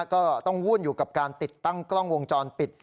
ก็ต้องวุ่นอยู่กับการติดตั้งกล้องวงจรปิด